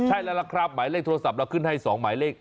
ใช่แล้วล่ะครับหมายเลขโทรศัพท์เราขึ้นให้๒หมายเลข